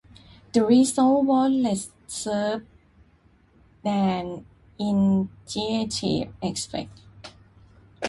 The results were less severe than initially expected.